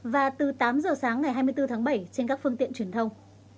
và từ tám giờ sáng ngày hai mươi bốn tháng bảy trên các phương tiện truyền thông